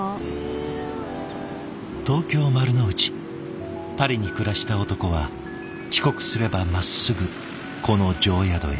東京・丸の内パリに暮らした男は帰国すればまっすぐこの定宿へ。